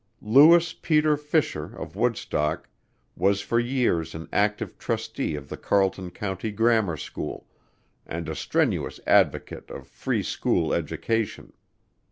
Lewis Peter Fisher, of Woodstock, was for years an active Trustee of the Carleton County Grammar School, and a strenuous advocate of Free School Education.